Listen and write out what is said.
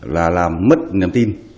là làm mất niềm tin